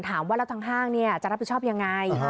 ถามว่าแล้วทางห้างจะรับผิดชอบยังไง